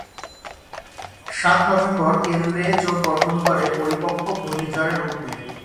সাত নভেম্বর কেন্দ্রে চোখ গঠন করে পরিপক্ব ঘূর্ণিঝড়ে রূপ নেয়।